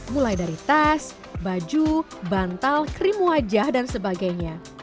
mulai dari tas baju bantal krim wajah dan sebagainya